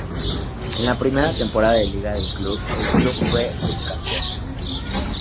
En la primera temporada de la liga del club, el club fue subcampeón.